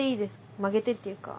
曲げてっていうか。